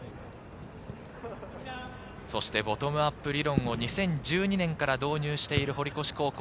ボトムアップ理論を２０１２年から導入している堀越高校。